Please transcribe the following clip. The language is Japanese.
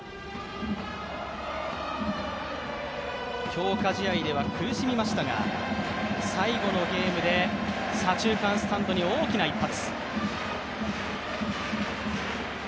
強化試合では苦しみましたが最後のゲームで左中間スタンドに大きな一発。